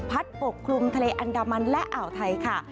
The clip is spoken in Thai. ปกคลุมทะเลอันดามันและอ่าวไทยค่ะ